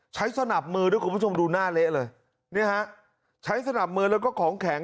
ใช้สนับมือแล้วคุณผู้ชมดูหน้าเละเลยใช้สนับมือแล้วก็ของแข็ง